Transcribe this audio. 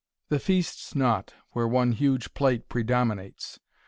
The feast's naught, Where one huge plate predominates.